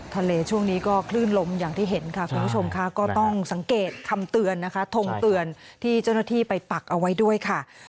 ช่วงนี้ก็คลื่นลมอย่างที่เห็นค่ะคุณผู้ชมค่ะก็ต้องสังเกตคำเตือนนะคะทงเตือนที่เจ้าหน้าที่ไปปักเอาไว้ด้วยค่ะ